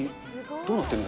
どうなってんの？